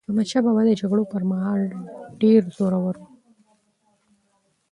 احمدشاه بابا د جګړو پر مهال ډېر زړور و.